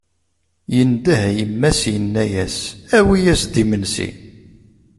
Yendeh i yemma-s yenna-as: Awi-as-d imensi!